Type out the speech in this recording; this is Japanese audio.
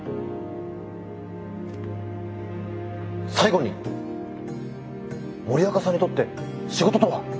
最後に森若さんにとって仕事とは？